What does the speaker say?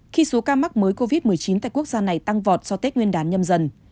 khi số ca mắc mới covid một mươi chín tại quốc gia này tăng vọt do tết nguyên đán nhâm dần